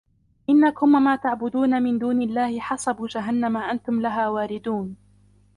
إنكم وما تعبدون من دون الله حصب جهنم أنتم لها واردون